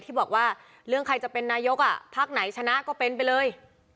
ที่บอกว่าเรื่องใครจะเป็นนายกพักไหนชนะก็เป็นไปเลย